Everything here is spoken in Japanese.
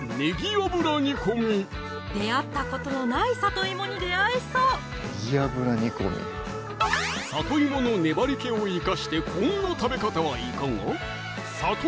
出会ったことのない里芋に出会えそう里芋の粘りけを生かしてこんな食べ方はいかが？